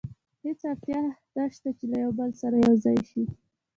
هېڅ اړتیا نه شته چې له یو بل سره یو ځای شي.